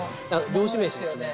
漁師飯ですね。